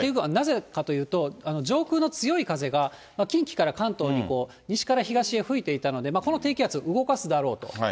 なぜかというと上空の強い風が近畿から関東に西から東へ吹いていたので、この低気圧、動かすだろうと。